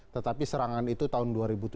tetapi serangan itu tahun dua ribu tujuh belas